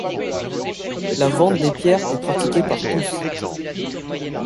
La vente des pierres est pratiquée par tous.